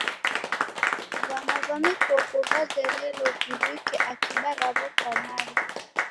Vama va mikopo vazerelo viw'ike akiba ra'wo kwa mali.